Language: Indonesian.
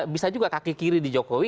bisa juga kaki kiri di jokowi